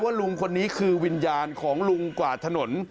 ลุงคนนี้คือวิญญาณของลุงกวาดถนน